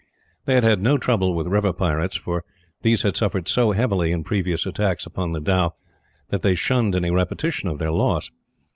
They had had no trouble with river pirates, for these had suffered so heavily, in previous attacks upon the dhow, that they shunned any repetition of their loss.